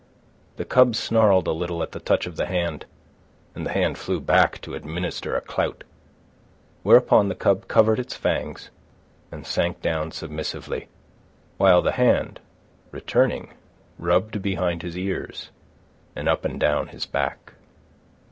The cub snarled a little at the touch of the hand, and the hand flew back to administer a clout. Whereupon the cub covered its fangs, and sank down submissively, while the hand, returning, rubbed behind his ears, and up and down his back.